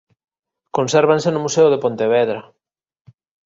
Consérvanse no Museo de Pontevedra.